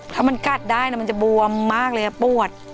ถ้ามันกัดได้มันจะบวมมากเลยปวด